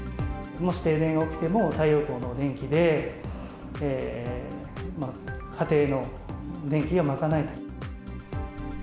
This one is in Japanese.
もし停電が起きても、太陽光の電気で家庭の電気を賄えたり。